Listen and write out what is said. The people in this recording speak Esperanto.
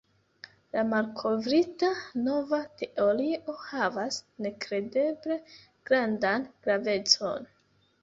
La malkovrita nova teorio havas nekredeble grandan gravecon.